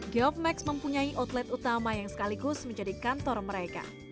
geovmax mempunyai outlet utama yang sekaligus menjadi kantor mereka